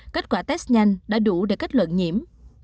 kết quả test nhanh đã đủ để kết luận nhiễm